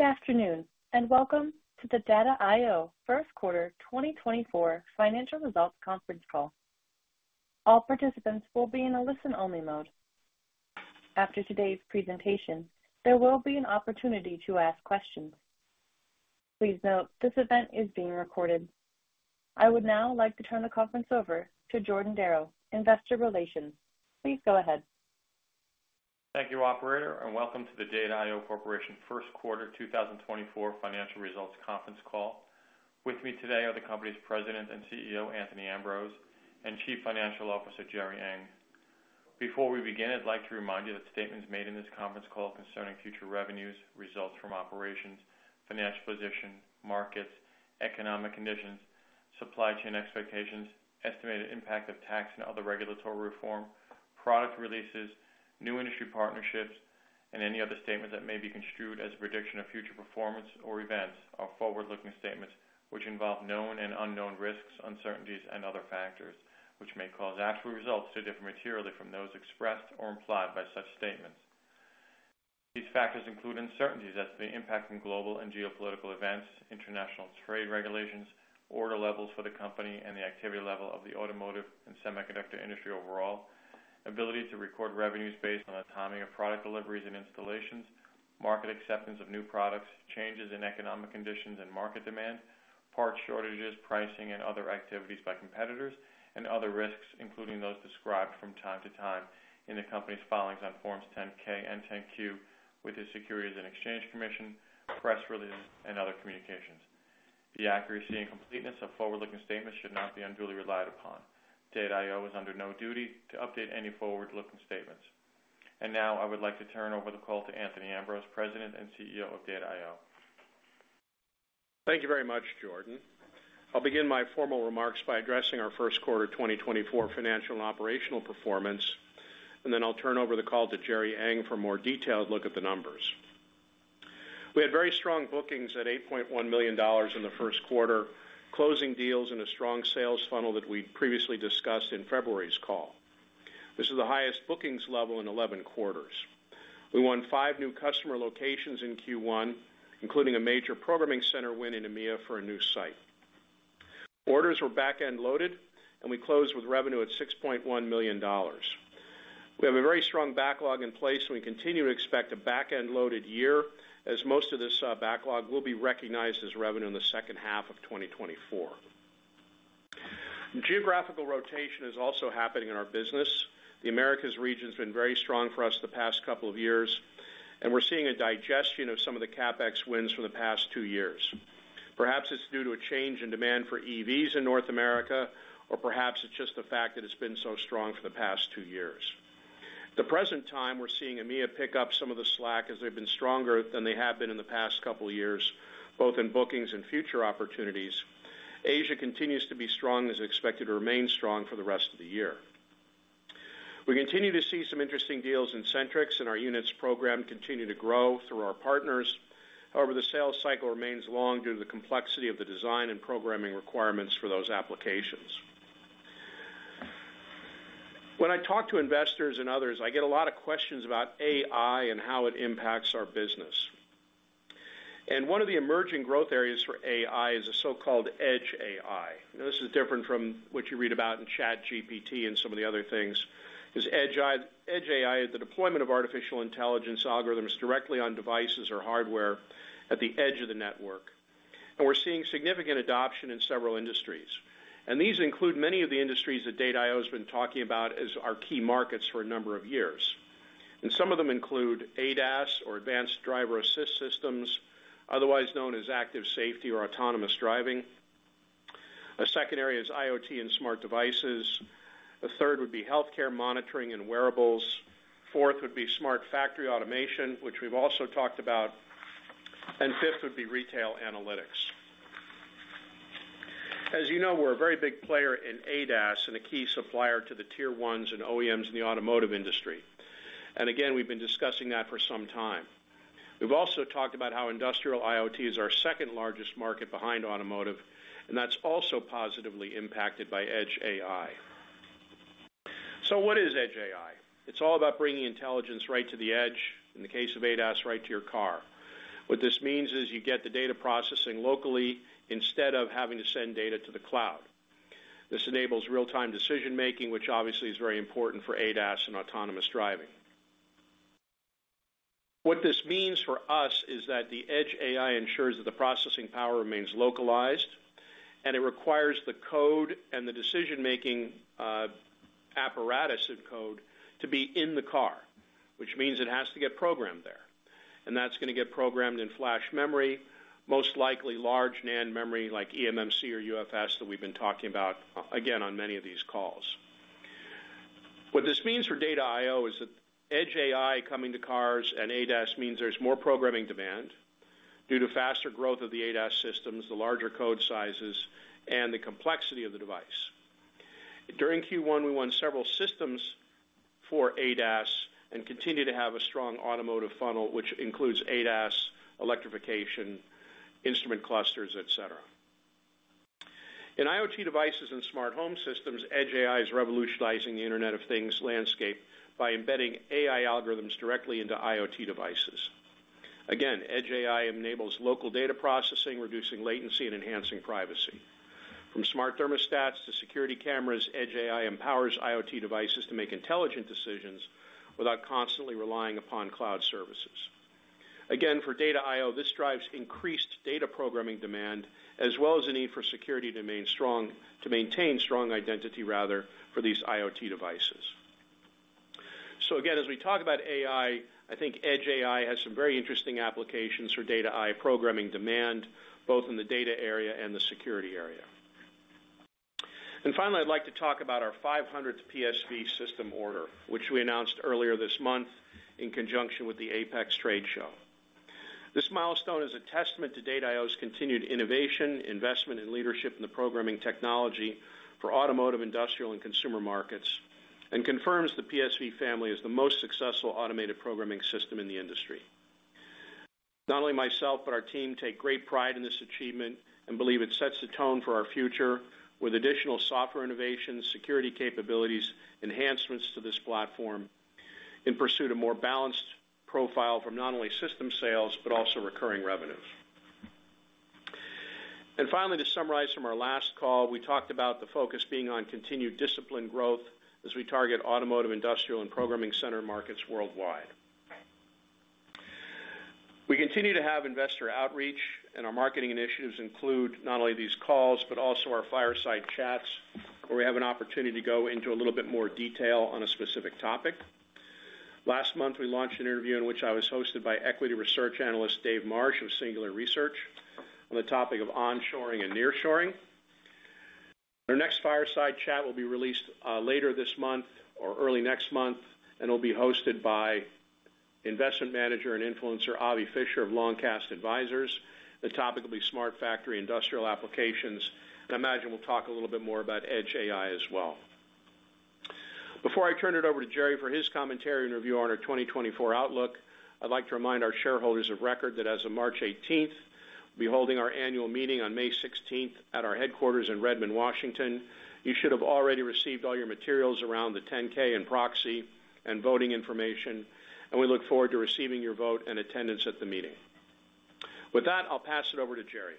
Good afternoon, and welcome to the Data I/O First Quarter 2024 Financial Results Conference Call. All participants will be in a listen-only mode. After today's presentation, there will be an opportunity to ask questions. Please note, this event is being recorded. I would now like to turn the conference over to Jordan Darrow, Investor Relations. Please go ahead. Thank you, operator, and welcome to the Data I/O Corporation First Quarter 2024 Financial Results Conference Call. With me today are the company's President and CEO, Anthony Ambrose, and Chief Financial Officer, Gerry Ng. Before we begin, I'd like to remind you that statements made in this conference call concerning future revenues, results from operations, financial position, markets, economic conditions, supply chain expectations, estimated impact of tax and other regulatory reform, product releases, new industry partnerships, and any other statements that may be construed as a prediction of future performance or events are forward-looking statements which involve known and unknown risks, uncertainties, and other factors, which may cause actual results to differ materially from those expressed or implied by such statements. These factors include uncertainties as to the impact in global and geopolitical events, international trade regulations, order levels for the company, and the activity level of the automotive and semiconductor industry overall, ability to record revenues based on the timing of product deliveries and installations, market acceptance of new products, changes in economic conditions and market demand, part shortages, pricing, and other activities by competitors, and other risks, including those described from time to time in the company's filings on Forms 10-K and 10-Q with the Securities and Exchange Commission, press releases, and other communications. The accuracy and completeness of forward-looking statements should not be unduly relied upon. Data I/O is under no duty to update any forward-looking statements. Now I would like to turn over the call to Anthony Ambrose, President and CEO of Data I/O. Thank you very much, Jordan. I'll begin my formal remarks by addressing our first quarter 2024 financial and operational performance, and then I'll turn over the call to Gerry Ng for a more detailed look at the numbers. We had very strong bookings at $8.1 million in the first quarter, closing deals in a strong sales funnel that we previously discussed in February's call. This is the highest bookings level in 11 quarters. We won five new customer locations in Q1, including a major programming center win in EMEA for a new site. Orders were back-end loaded, and we closed with revenue at $6.1 million. We have a very strong backlog in place, and we continue to expect a back-end loaded year as most of this, backlog will be recognized as revenue in the second half of 2024. Geographical rotation is also happening in our business. The Americas region has been very strong for us the past couple of years, and we're seeing a digestion of some of the CapEx wins from the past two years. Perhaps it's due to a change in demand for EVs in North America, or perhaps it's just the fact that it's been so strong for the past two years. At the present time, we're seeing EMEA pick up some of the slack as they've been stronger than they have been in the past couple of years, both in bookings and future opportunities. Asia continues to be strong and is expected to remain strong for the rest of the year. We continue to see some interesting deals in SentriX, and our units program continue to grow through our partners. However, the sales cycle remains long due to the complexity of the design and programming requirements for those applications. When I talk to investors and others, I get a lot of questions about AI and how it impacts our business. And one of the emerging growth areas for AI is a so-called Edge AI. Now, this is different from what you read about in ChatGPT and some of the other things: Edge AI is the deployment of artificial intelligence algorithms directly on devices or hardware at the edge of the network. And we're seeing significant adoption in several industries. And these include many of the industries that Data I/O has been talking about as our key markets for a number of years. And some of them include ADAS, or Advanced Driver Assist Systems, otherwise known as active safety or autonomous driving. A second area is IoT and smart devices. A third would be healthcare monitoring and wearables. Fourth would be smart factory automation, which we've also talked about, and fifth would be retail analytics. As you know, we're a very big player in ADAS and a key supplier to the tier ones and OEMs in the automotive industry. And again, we've been discussing that for some time. We've also talked about how industrial IoT is our second-largest market behind automotive, and that's also positively impacted by Edge AI. So what is Edge AI? It's all about bringing intelligence right to the edge, in the case of ADAS, right to your car. What this means is you get the data processing locally instead of having to send data to the cloud. This enables real-time decision-making, which obviously is very important for ADAS and autonomous driving. What this means for us is that the edge AI ensures that the processing power remains localized, and it requires the code and the decision-making apparatus of code to be in the car, which means it has to get programmed there. And that's gonna get programmed in flash memory, most likely large NAND memory like eMMC or UFS that we've been talking about, again, on many of these calls. What this means for Data I/O is that edge AI coming to cars and ADAS means there's more programming demand due to faster growth of the ADAS systems, the larger code sizes, and the complexity of the device. During Q1, we won several systems for ADAS and continue to have a strong automotive funnel, which includes ADAS, electrification, instrument clusters, et cetera. In IoT devices and smart home systems, Edge AI is revolutionizing the Internet of Things landscape by embedding AI algorithms directly into IoT devices. Again, Edge AI enables local data processing, reducing latency and enhancing privacy. From smart thermostats to security cameras, Edge AI empowers IoT devices to make intelligent decisions without constantly relying upon cloud services. Again, for Data I/O, this drives increased data programming demand, as well as the need for security to remain strong - to maintain strong identity, rather, for these IoT devices. So again, as we talk about AI, I think Edge AI has some very interesting applications for Data I/O programming demand, both in the data area and the security area. And finally, I'd like to talk about our 500th PSV system order, which we announced earlier this month in conjunction with the APEX Trade Show. This milestone is a testament to Data I/O's continued innovation, investment, and leadership in the programming technology for automotive, industrial, and consumer markets, and confirms the PSV family is the most successful automated programming system in the industry. Not only myself, but our team take great pride in this achievement and believe it sets the tone for our future with additional software innovations, security capabilities, enhancements to this platform, in pursuit of more balanced profile from not only system sales, but also recurring revenues. And finally, to summarize from our last call, we talked about the focus being on continued disciplined growth as we target automotive, industrial, and programming center markets worldwide. We continue to have investor outreach, and our marketing initiatives include not only these calls, but also our fireside chats, where we have an opportunity to go into a little bit more detail on a specific topic. Last month, we launched an interview in which I was hosted by equity research analyst David Marsh of Singular Research on the topic of onshoring and nearshoring. Our next fireside chat will be released later this month or early next month, and will be hosted by investment manager and influencer Avi Fisher of Long Cast Advisers. The topic will be Smart Factory Industrial Applications, and I imagine we'll talk a little bit more about Edge AI as well. Before I turn it over to Gerry for his commentary and review on our 2024 outlook, I'd like to remind our shareholders of record that as of March eighteenth, we'll be holding our annual meeting on May sixteenth at our headquarters in Redmond, Washington. You should have already received all your materials around the 10-K and proxy and voting information, and we look forward to receiving your vote and attendance at the meeting. With that, I'll pass it over to Gerry.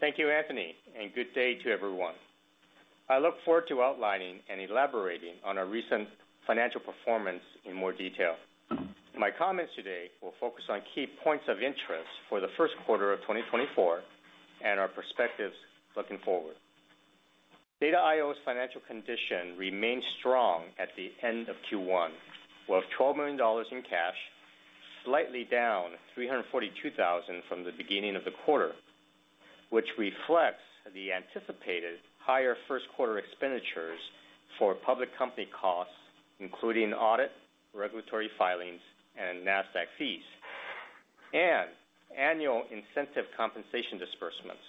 Thank you, Anthony, and good day to everyone. I look forward to outlining and elaborating on our recent financial performance in more detail. My comments today will focus on key points of interest for the first quarter of 2024, and our perspectives looking forward. Data I/O's financial condition remained strong at the end of Q1, with $12 million in cash, slightly down $342,000 from the beginning of the quarter, which reflects the anticipated higher first quarter expenditures for public company costs, including audit, regulatory filings, and NASDAQ fees, and annual incentive compensation disbursements.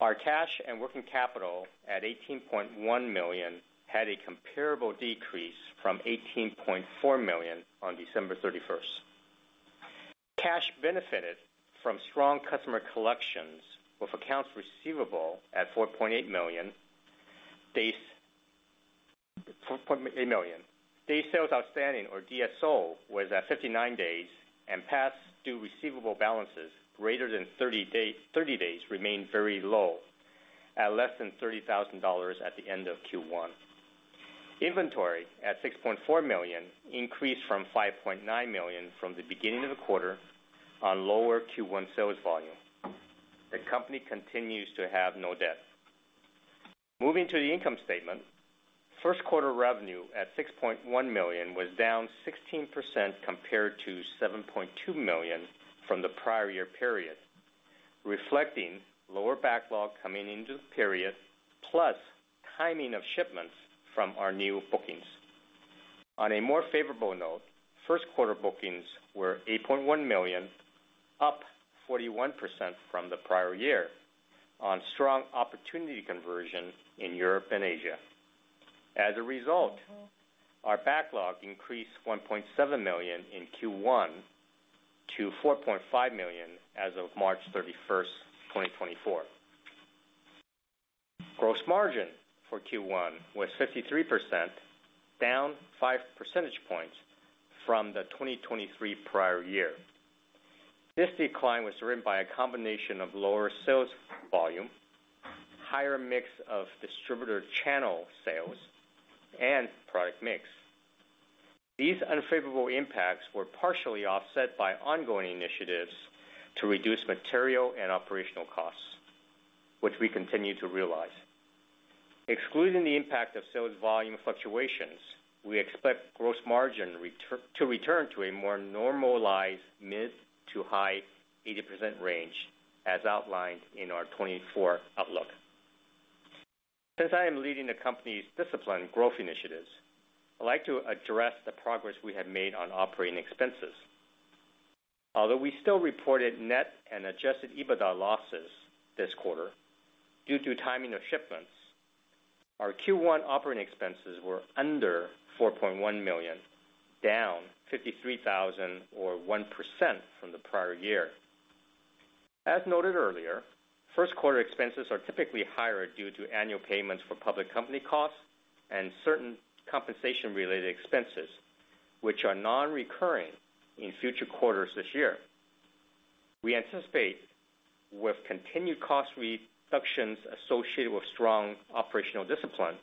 Our cash and working capital at $18.1 million, had a comparable decrease from $18.4 million on December 31. Cash benefited from strong customer collections, with accounts receivable at $4.8 million. Days Sales Outstanding, or DSO, was at 59 days, and past due receivable balances greater than 30 days remained very low at less than $30,000 at the end of Q1. Inventory at $6.4 million increased from $5.9 million from the beginning of the quarter on lower Q1 sales volume. The company continues to have no debt. Moving to the income statement, first quarter revenue at $6.1 million was down 16% compared to $7.2 million from the prior year period, reflecting lower backlog coming into the period, plus timing of shipments from our new bookings. On a more favorable note, first quarter bookings were $8.1 million, up 41% from the prior year on strong opportunity conversion in Europe and Asia. As a result, our backlog increased $1.7 million in Q1 to $4.5 million as of March 31, 2024. Gross margin for Q1 was 53%, down 5 percentage points from the 2023 prior year. This decline was driven by a combination of lower sales volume, higher mix of distributor channel sales, and product mix. These unfavorable impacts were partially offset by ongoing initiatives to reduce material and operational costs, which we continue to realize. Excluding the impact of sales volume fluctuations, we expect gross margin to return to a more normalized mid-to-high 80% range, as outlined in our 2024 outlook. Since I am leading the company's disciplined growth initiatives, I'd like to address the progress we have made on operating expenses. Although we still reported net and Adjusted EBITDA losses this quarter due to timing of shipments. Our Q1 operating expenses were under $4.1 million, down $53,000 or 1% from the prior year. As noted earlier, first quarter expenses are typically higher due to annual payments for public company costs and certain compensation-related expenses, which are non-recurring in future quarters this year. We anticipate, with continued cost reductions associated with strong operational discipline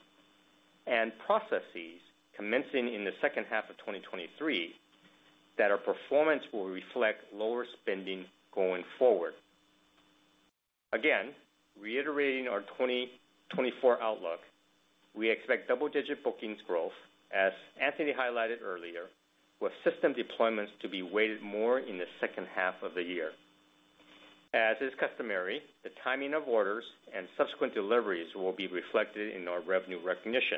and processes commencing in the second half of 2023, that our performance will reflect lower spending going forward. Again, reiterating our 2024 outlook, we expect double-digit bookings growth, as Anthony highlighted earlier, with system deployments to be weighted more in the second half of the year. As is customary, the timing of orders and subsequent deliveries will be reflected in our revenue recognition.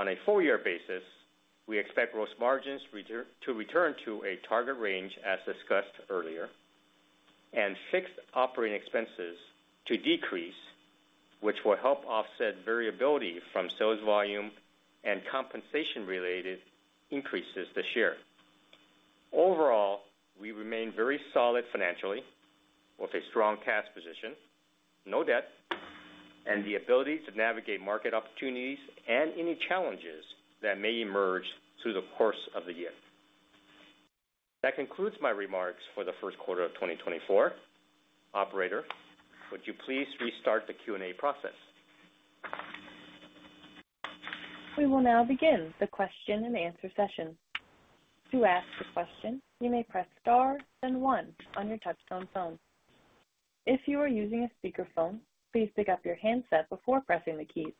On a full year basis, we expect gross margins to return to a target range, as discussed earlier, and fixed operating expenses to decrease, which will help offset variability from sales volume and compensation-related increases this year. Overall, we remain very solid financially, with a strong cash position, no debt, and the ability to navigate market opportunities and any challenges that may emerge through the course of the year. That concludes my remarks for the first quarter of 2024. Operator, would you please restart the Q&A process? We will now begin the question-and-answer session. To ask a question, you may press star, then one on your touchtone phone. If you are using a speakerphone, please pick up your handset before pressing the keys.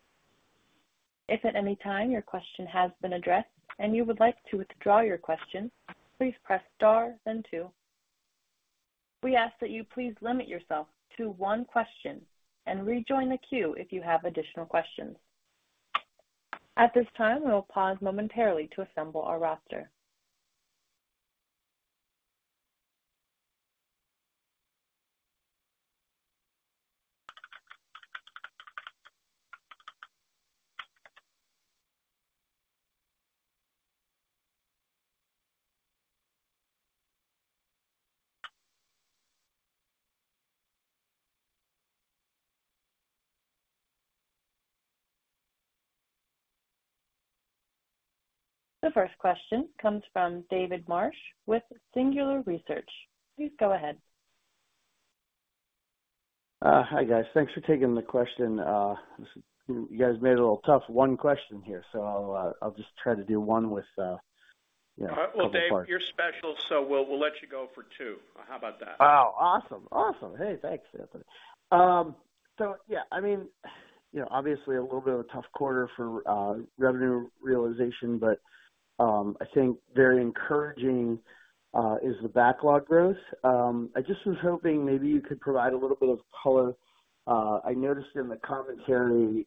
If at any time your question has been addressed and you would like to withdraw your question, please press star then two. We ask that you please limit yourself to one question and rejoin the queue if you have additional questions. At this time, we will pause momentarily to assemble our roster. The first question comes from David Marsh with Singular Research. Please go ahead. Hi, guys. Thanks for taking the question. You guys made it a little tough, one question here, so I'll, I'll just try to do one with, you know, a couple parts. Well, Dave, you're special, so we'll let you go for two. How about that? Oh, awesome. Awesome! Hey, thanks, Anthony. So yeah, I mean, you know, obviously a little bit of a tough quarter for revenue realization, but I think very encouraging is the backlog growth. I just was hoping maybe you could provide a little bit of color. I noticed in the commentary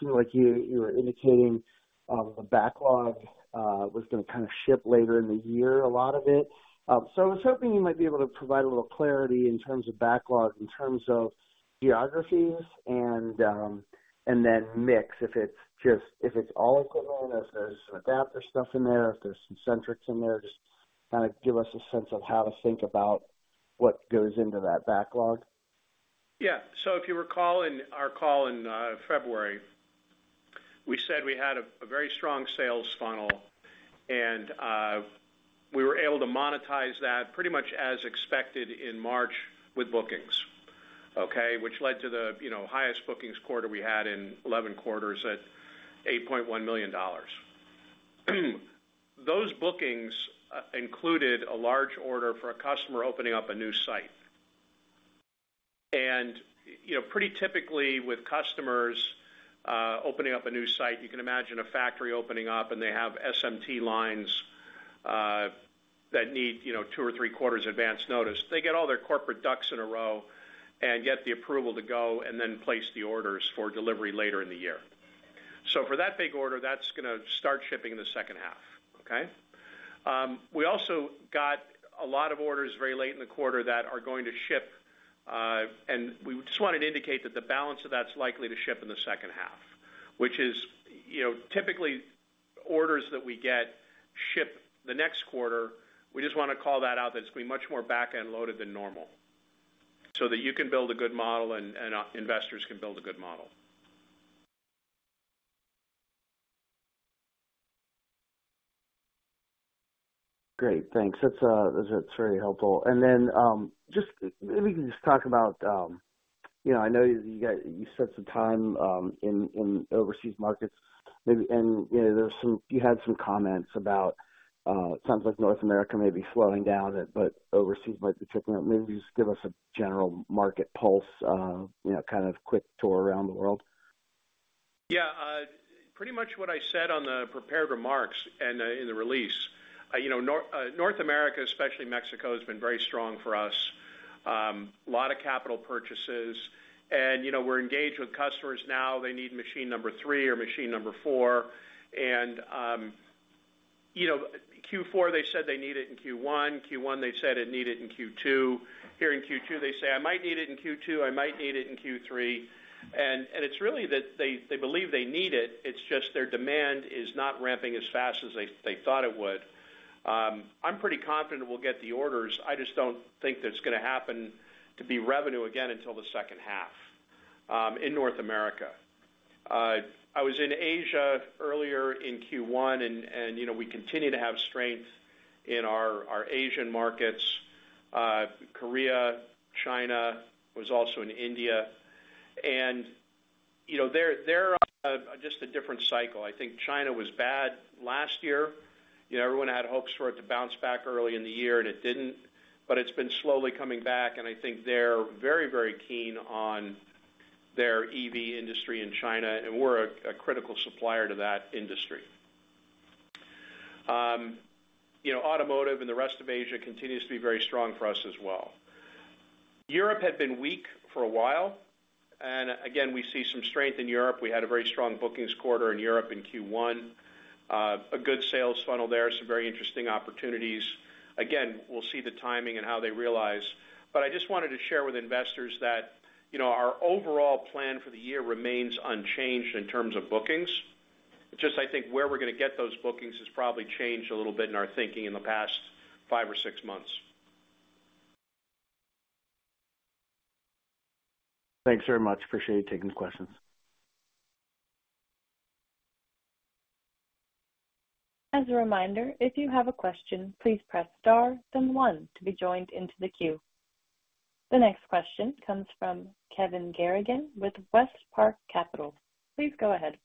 seemed like you were indicating the backlog was gonna kind of ship later in the year, a lot of it. So I was hoping you might be able to provide a little clarity in terms of backlog, in terms of geographies and then mix, if it's just—if it's all equipment, if there's some adapter stuff in there, if there's some SentriX in there. Just kind of give us a sense of how to think about what goes into that backlog. Yeah. So if you recall in our call in February, we said we had a very strong sales funnel, and we were able to monetize that pretty much as expected in March with bookings, okay? Which led to the, you know, highest bookings quarter we had in 11 quarters at $8.1 million. Those bookings included a large order for a customer opening up a new site. And, you know, pretty typically with customers opening up a new site, you can imagine a factory opening up, and they have SMT lines that need, you know, two or three quarters advance notice. They get all their corporate ducks in a row and get the approval to go and then place the orders for delivery later in the year. So for that big order, that's gonna start shipping in the second half, okay? We also got a lot of orders very late in the quarter that are going to ship, and we just wanted to indicate that the balance of that's likely to ship in the second half, which is, you know, typically orders that we get ship the next quarter. We just wanna call that out, that it's going to be much more back-end loaded than normal, so that you can build a good model and investors can build a good model. Great, thanks. That's, that's very helpful. And then, just maybe you can just talk about—you know, I know you guys, you spent some time in overseas markets, maybe, and, you know, there's some, you had some comments about, it sounds like North America may be slowing down, but overseas might be tripping up. Maybe just give us a general market pulse, you know, kind of quick tour around the world. Yeah, pretty much what I said on the prepared remarks and, in the release. You know, North America, especially Mexico, has been very strong for us. A lot of capital purchases and, you know, we're engaged with customers now. They need machine number three or machine number four. And, you know, Q4, they said they need it in Q1. Q1, they said it need it in Q2. Here in Q2, they say, "I might need it in Q2, I might need it in Q3." And, and it's really that they, they believe they need it, it's just their demand is not ramping as fast as they, they thought it would. I'm pretty confident we'll get the orders. I just don't think that it's gonna happen to be revenue again until the second half, in North America. I was in Asia earlier in Q1, and you know, we continue to have strength in our Asian markets, Korea, China, was also in India. And you know, they're just a different cycle. I think China was bad last year. You know, everyone had hopes for it to bounce back early in the year, and it didn't. But it's been slowly coming back, and I think they're very, very keen on their EV industry in China, and we're a critical supplier to that industry. You know, automotive and the rest of Asia continues to be very strong for us as well. Europe had been weak for a while, and again, we see some strength in Europe. We had a very strong bookings quarter in Europe in Q1. A good sales funnel there, some very interesting opportunities. Again, we'll see the timing and how they realize. But I just wanted to share with investors that, you know, our overall plan for the year remains unchanged in terms of bookings. Just I think where we're gonna get those bookings has probably changed a little bit in our thinking in the past five or six months. Thanks very much. Appreciate you taking the questions. As a reminder, if you have a question, please press star then one to be joined into the queue. The next question comes from Kevin Garrigan with West Park Capital. Please go ahead.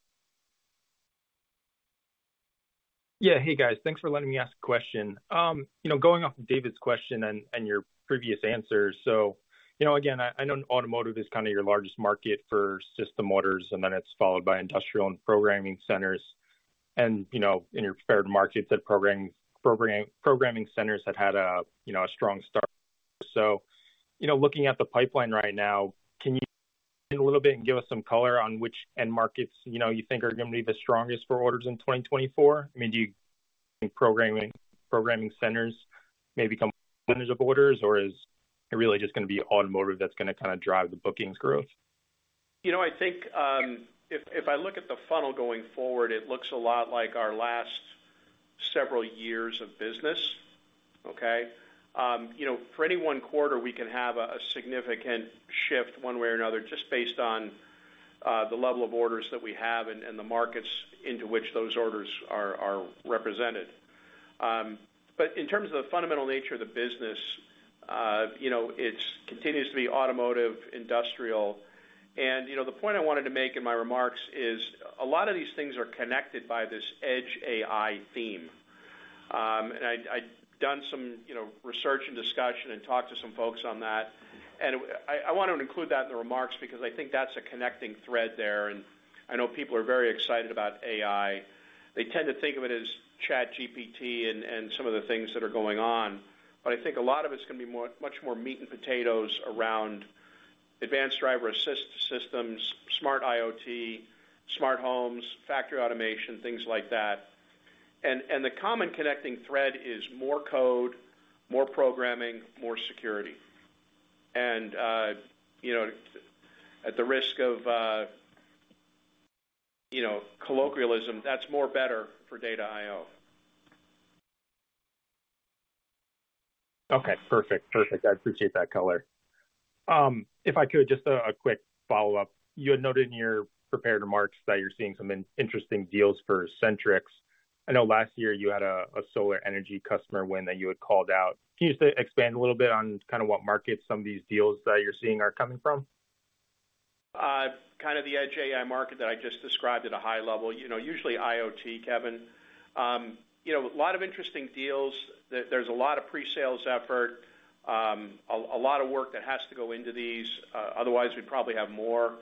Yeah. Hey, guys. Thanks for letting me ask a question. You know, going off of David's question and your previous answers. So, you know, again, I know automotive is kinda your largest market for system orders, and then it's followed by industrial and programming centers. And, you know, in your prepared market, that programming centers have had a strong start. So, you know, looking at the pipeline right now, can you a little bit and give us some color on which end markets you know you think are gonna be the strongest for orders in 2024? I mean, do you think programming centers may become of orders, or is it really just gonna be automotive that's gonna kinda drive the bookings growth? You know, I think, if I look at the funnel going forward, it looks a lot like our last several years of business, okay? You know, for any one quarter, we can have a significant shift one way or another, just based on the level of orders that we have and the markets into which those orders are represented. But in terms of the fundamental nature of the business, you know, it continues to be automotive, industrial. And, you know, the point I wanted to make in my remarks is, a lot of these things are connected by this Edge AI theme. And I'd done some, you know, research and discussion and talked to some folks on that, and I wanted to include that in the remarks because I think that's a connecting thread there, and I know people are very excited about AI. They tend to think of it as ChatGPT and some of the things that are going on, but I think a lot of it's gonna be much more meat and potatoes around advanced driver assist systems, smart IoT, smart homes, factory automation, things like that. And the common connecting thread is more code, more programming, more security. And, you know, at the risk of, you know, colloquialism, that's more better for Data I/O. Okay, perfect. Perfect. I appreciate that color. If I could, just a quick follow-up. You had noted in your prepared remarks that you're seeing some interesting deals for Sentrix. I know last year you had a solar energy customer win that you had called out. Can you just expand a little bit on kinda what markets some of these deals that you're seeing are coming from? Kind of the Edge AI market that I just described at a high level, you know, usually IoT, Kevin. You know, a lot of interesting deals. There's a lot of pre-sales effort, a lot of work that has to go into these, otherwise, we'd probably have more.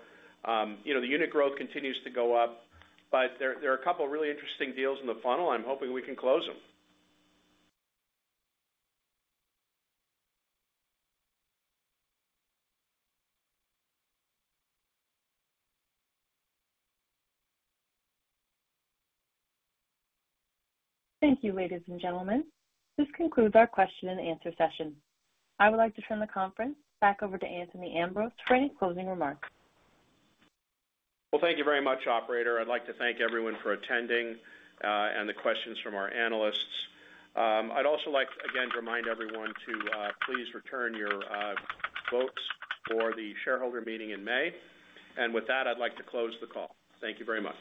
You know, the unit growth continues to go up, but there are a couple of really interesting deals in the funnel. I'm hoping we can close them. Thank you, ladies and gentlemen. This concludes our question and answer session. I would like to turn the conference back over to Anthony Ambrose for any closing remarks. Well, thank you very much, operator. I'd like to thank everyone for attending and the questions from our analysts. I'd also like, again, to remind everyone to please return your votes for the shareholder meeting in May. And with that, I'd like to close the call. Thank you very much.